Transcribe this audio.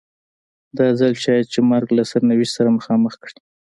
دا ځل شاید چې مرګ له سرنوشت سره مخامخ کړي.